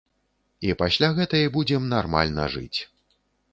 І пасля гэтай будзем нармальна жыць.